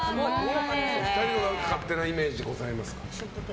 お二人の勝手なイメージございますか？